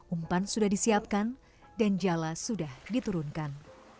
umpan sudah disiapkan dan jala sudah diturunkan